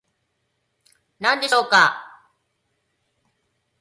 何でしょうか